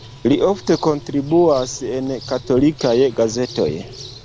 Li ofte kontribuas en katolikaj gazetoj.